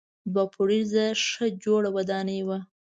دوه پوړیزه ښه جوړه ودانۍ وه.